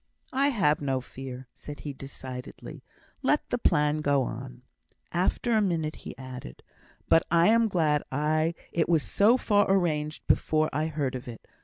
"I have no fear," said he, decidedly. "Let the plan go on." After a minute, he added, "But I am glad it was so far arranged before I heard of it.